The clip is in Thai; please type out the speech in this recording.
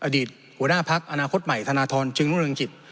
อดีตหัวหน้าพักอนาคตใหม่ธนทรจึงรุ่งเรืองกิจ